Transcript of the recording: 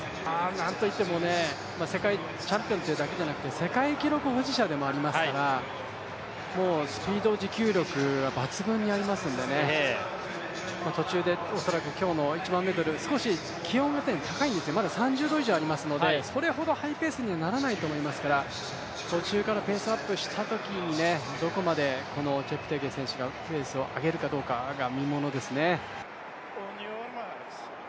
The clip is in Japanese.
なんといっても世界チャンピオンというだけではなくて、世界記録保持者でもありますから、スピード、持久力は抜群にありますので、途中で恐らく今日の１００００ｍ少し気温が高いんですよね、まだ３０度以上ありますのでそれほどハイペースにはならないと思いますから、途中からペースアップしたときにどこまでこのチェプテゲイ選手がペースを上げるかどうかが見ものですね。